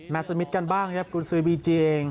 มาดสมิทกันบ้างครับกุญซื้อบีเจียง